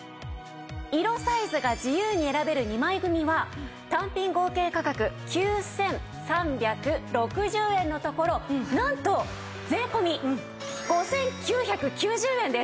色・サイズが自由に選べる２枚組は単品合計価格９３６０円のところなんと税込５９９０円です。